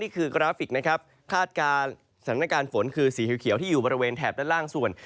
กราฟิกนะครับคาดการณ์สถานการณ์ฝนคือสีเขียวที่อยู่บริเวณแถบด้านล่างส่วน